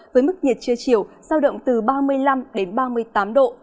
với mức nhiệt trưa chiều sao động từ ba mươi năm đến ba mươi tám độ